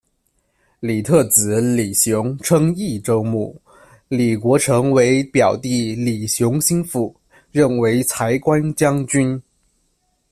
李特子李雄称益州牧，李国成为表弟李雄心腹，任为材官将军。